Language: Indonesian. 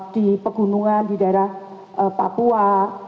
di pegunungan di daerah papua